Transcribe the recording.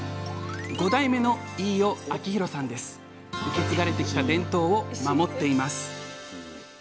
５代目の受け継がれてきた伝統を守っています。